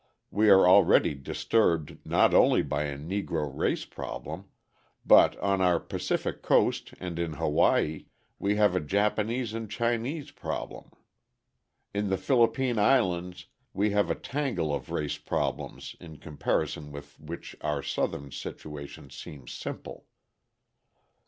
We are already disturbed not only by a Negro race problem, but on our Pacific coast and in Hawaii we have a Japanese and Chinese problem. In the Philippine Islands we have a tangle of race problems in comparison with which our Southern situation seems simple.